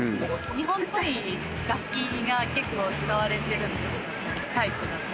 日本っぽい楽器が結構、使われてるんですけど。